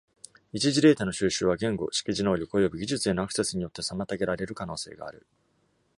一次データの収集は、言語、識字能力、および技術へのアクセスによって妨げられる可能性がある。